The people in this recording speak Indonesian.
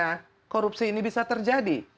bagaimana caranya korupsi ini bisa terjadi